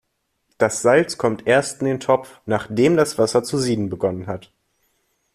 Das Salz kommt erst in den Topf, nachdem das Wasser zu sieden begonnen hat.